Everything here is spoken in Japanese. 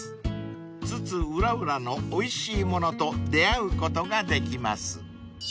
［津々浦々のおいしいものと出合うことができます］